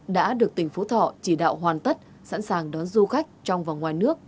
đã được tỉnh phú thọ chỉ đạo hoàn tất sẵn sàng đón du khách trong và ngoài nước